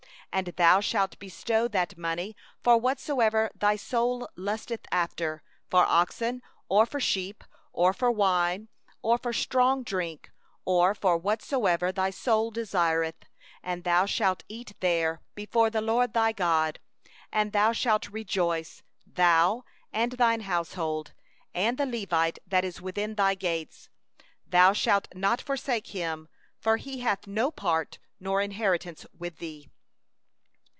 26And thou shalt bestow the money for whatsoever thy soul desireth, for oxen, or for sheep, or for wine, or for strong drink, or for whatsoever thy soul asketh of thee; and thou shalt eat there before the LORD thy God, and thou shalt rejoice, thou and thy household. 27And the Levite that is within thy gates, thou shalt not forsake him; for he hath no portion nor inheritance with thee.